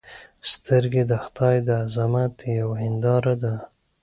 سترګې د خدای د عظمت یوه هنداره ده